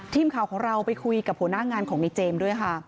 ทีมข่าวของเราไปคุยกับหัวหน้างานของในเจมส์ด้วยค่ะ